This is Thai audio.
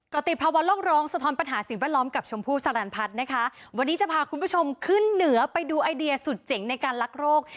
ก็ติดภาวะโลกร้องสะท้อนปัญหาสิ่งแวดล้อมกับชมพู่สรรพัฒน์นะคะวันนี้จะพาคุณผู้ชมขึ้นเหนือไปดูไอเดียสุดเจ๋งในการรักโรค